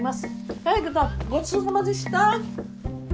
はいごちそうさまでした。